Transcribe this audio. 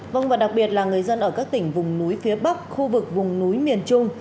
vâng và đặc biệt là người dân ở các tỉnh vùng núi phía bắc khu vực vùng núi miền trung